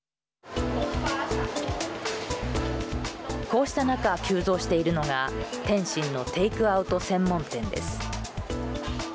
こうした中、急増しているのが点心のテイクアウト専門店です。